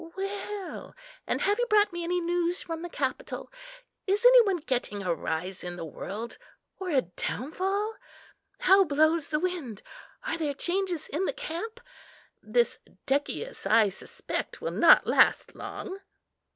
Well, and have you brought me any news from the capitol? Is any one getting a rise in the world, or a downfall? How blows the wind? Are there changes in the camp? This Decius, I suspect, will not last long."